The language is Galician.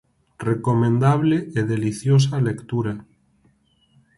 Recomendable e deliciosa lectura.